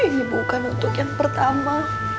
ini bukan untuk yang pertama